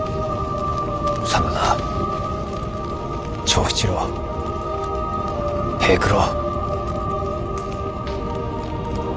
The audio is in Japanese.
真田長七郎平九郎。